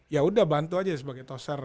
yaudah bantu aja sebagai toser